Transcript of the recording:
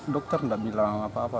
dokter nggak bilang apa apa